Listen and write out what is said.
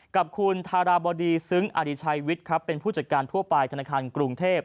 กับคุณธาราบอดีศึงอดีไชวิตเป็นผู้จัดการทั่วไปธนาคารกรุงเทพฯ